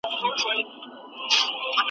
چي هر څومره یې خوړلای سوای د ده وه .